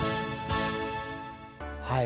はい。